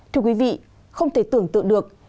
thưa quý vị không thể tưởng tượng được